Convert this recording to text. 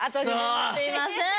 すいません。